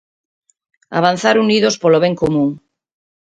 Avanzar unidos polo ben común.